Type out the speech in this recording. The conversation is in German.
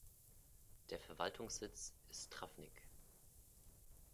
Der Verwaltungssitz ist Travnik.